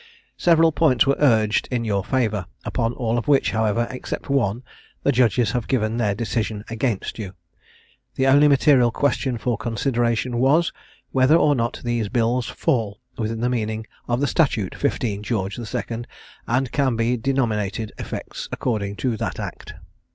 Several points were urged in your favour, upon all of which, however except one, the Judges have given their decision against you. The only material question for consideration was, whether or not these bills fall within the meaning of the statute 15 Geo. II., and can be denominated effects according to that act.